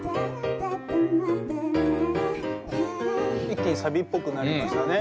一気にサビっぽくなりましたね。